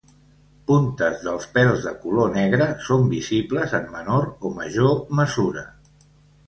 Puntes dels pèls de color negre són visibles en menor o major mesura.